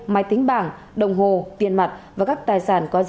máy tính bảng đồng hồ tiền mặt và các tài sản